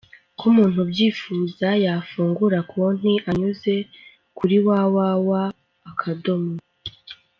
Ku muntu ubyifuza, yafungura konti anyuze kuri www.